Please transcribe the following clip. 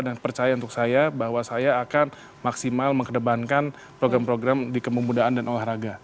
dan percaya untuk saya bahwa saya akan maksimal mengkedepankan program program di kememudaan dan olahraga